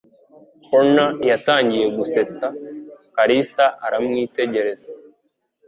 Connor yatangiye gusetsa, Kalisa aramwitegereza